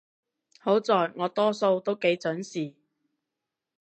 好在我多數都幾準時